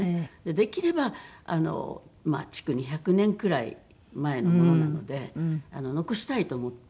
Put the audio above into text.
できれば築２００年くらい前のものなので残したいと思って。